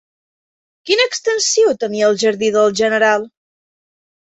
Quina extensió tenia el Jardí del General?